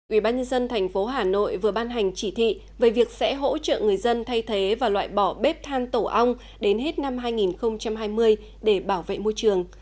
ủy ban nhân dân thành phố hà nội vừa ban hành chỉ thị về việc sẽ hỗ trợ người dân thay thế và loại bỏ bếp than tổ ong đến hết năm hai nghìn hai mươi để bảo vệ môi trường